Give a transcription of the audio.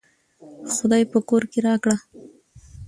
خداى په کور کې راکړه